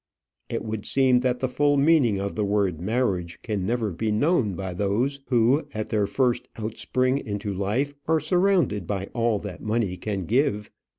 It would seem that the full meaning of the word marriage can never be known by those who, at their first out spring into life, are surrounded by all that money can give.